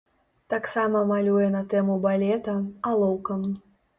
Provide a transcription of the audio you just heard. Таксама малюе на тэму балета, алоўкам.